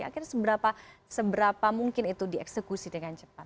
akhirnya seberapa mungkin itu dieksekusi dengan cepat